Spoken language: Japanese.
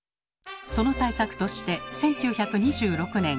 その対策として１９２６年。